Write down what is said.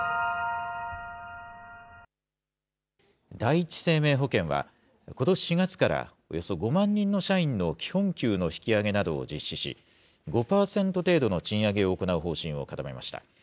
第一生命保険は、ことし４月から、およそ５万人の社員の基本給の引き上げなどを実施し、５％程度の賃上げを行う方針を固めました。